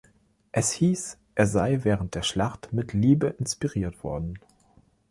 Es hieß, er sei während der Schlacht mit Liebe inspiriert worden.